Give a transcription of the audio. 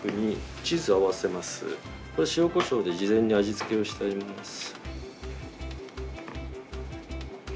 これは塩こしょうで事前に味付けをしています。